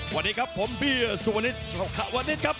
สวัสดีครับผมพี่สุวนิทสวัสดีครับ